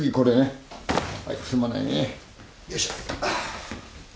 よいしょ。